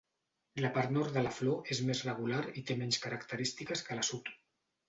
La part nord de la flor és més regular i té menys característiques que la sud.